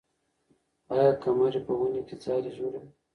آیا قمري په ونې کې ځالۍ جوړوي؟